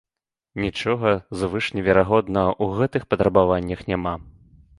Нічога звышневерагоднага ў гэтых патрабаваннях няма.